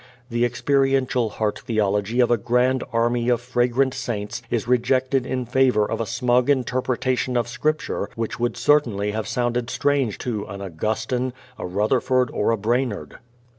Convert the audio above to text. The experiential heart theology of a grand army of fragrant saints is rejected in favor of a smug interpretation of Scripture which would certainly have sounded strange to an Augustine, a Rutherford or a Brainerd.